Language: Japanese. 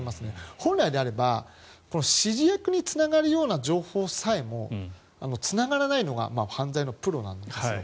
本来であれば指示役につながるような情報さえもつながらないのが犯罪のプロなんですよ。